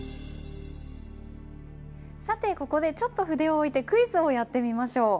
さてここでちょっと筆をおいてクイズをやってみましょう。